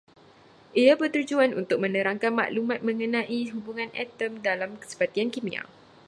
Ia bertujuan untuk menerangkan maklumat mengenai hubungan atom dalam sebatian kimia